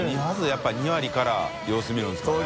やっぱり２割から様子見るんですかね？